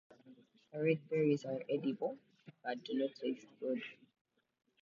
The red berries are edible, but do not taste good.